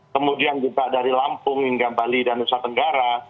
kemudian juga dari lampung hingga bali dan nusa tenggara